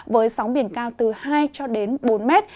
với sóng biển cao từ hai cho đến bốn mét